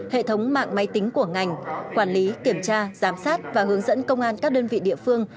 hệ thống mạng máy tính của ngành quản lý kiểm tra giám sát và hướng dẫn công an các đơn vị địa phương